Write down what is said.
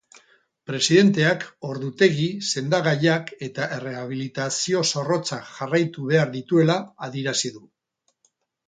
Presidenteak ordutegi, sendagaiak eta errehabilitazio zorrotzak jarraitu behar dituela adierazi du.